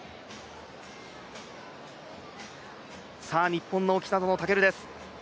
日本の北園丈琉です。